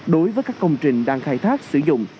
đối với các công trình đang khai thác sử dụng